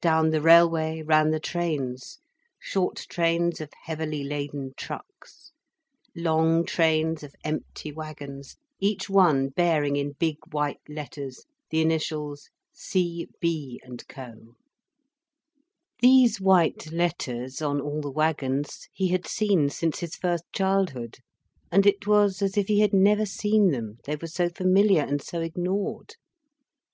Down the railway ran the trains, short trains of heavily laden trucks, long trains of empty wagons, each one bearing in big white letters the initials: "C. B. & Co." These white letters on all the wagons he had seen since his first childhood, and it was as if he had never seen them, they were so familiar, and so ignored.